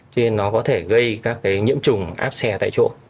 cho nên nó có thể gây các cái nhiễm trùng áp xe tại chỗ